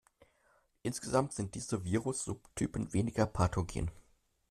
Insgesamt sind diese Virus-Subtypen weniger pathogen.